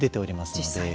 実際に？